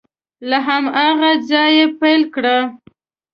له هماغه ځایه یې پیل کړه